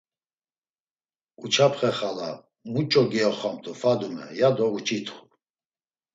Uçapxe xala: “Muç̌o giyoxamt̆u Fadume?” ya do uç̌itxu.